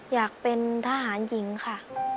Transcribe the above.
อยากเป็นทหารหญิงค่ะ